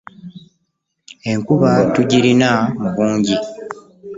Enkuba tugirina mu bungi.